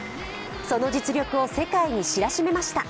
その実力を世界に知らしめました。